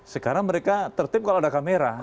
sekarang mereka tertip kalau ada kamera